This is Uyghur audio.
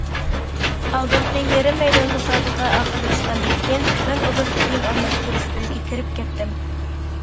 ئالدىنقى يېرىم مەيدان مۇسابىقە ئاخىرلاشقاندىن كېيىن مەن ئۇدۇل كىيىم ئالماشتۇرۇش ئۆيىگە كىرىپ كەتتىم.